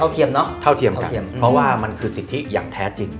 เท่าเทียมเนอะเท่าเทียมกันเพราะว่ามันคือสิทธิอย่างแท้จริง